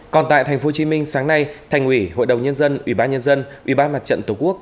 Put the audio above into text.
còn tại tp hcm sáng nay thành ủy hội đồng nhân dân ủy ban nhân dân ủy ban mặt trận tổ quốc